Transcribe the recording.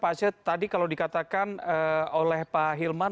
pak aceh tadi kalau dikatakan oleh pak hilman